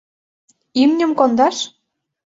Имньым кондаш?